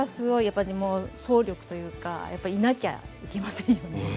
走力というかいなきゃいけませんよね。